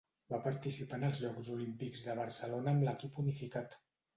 Va participar en els Jocs Olímpics de Barcelona amb l'Equip unificat.